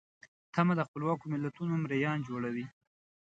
تمه له خپلواکو ملتونو مریان جوړوي.